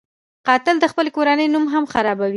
قاتل د خپلې کورنۍ نوم هم خرابوي